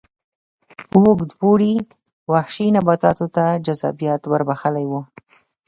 اوږد اوړي وحشي نباتاتو ته جذابیت ور بخښلی و.